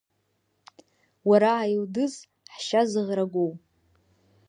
Уара Аелдыз, ҳшьа зыӷрагәоу!